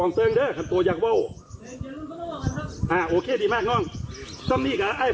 สุดท้ายแล้วนะครับท่านผู้ชมครับ